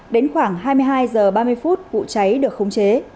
đến khoảng hai mươi hai h ba mươi phút vụ cháy được khống chế